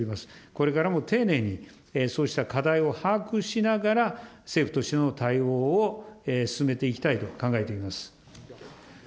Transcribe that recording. これからも丁寧にそうした課題を把握しながら、政府としての対応を進めていきたいと考えています。